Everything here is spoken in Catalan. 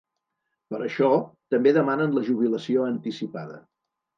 Per això, també demanen la jubilació anticipada.